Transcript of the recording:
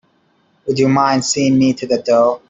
Would you mind seeing me to the door?